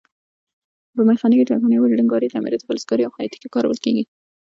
په میخانیکي، ترکاڼۍ، ویلډنګ کارۍ، تعمیراتو، فلزکارۍ او خیاطۍ کې کارول کېږي.